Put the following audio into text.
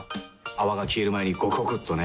泡が消える前にゴクゴクっとね。